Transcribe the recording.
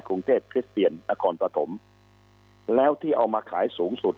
กรุงเทพคริสเตียนนครปฐมแล้วที่เอามาขายสูงสุด